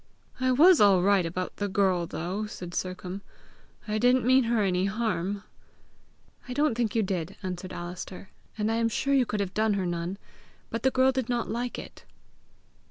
"I was all right about the girl though," said Sercombe. "I didn't mean her any harm." "I don't think you did," answered Alister; "and I am sure you could have done her none; but the girl did not like it."